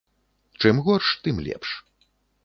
Чым горш, тым лепш.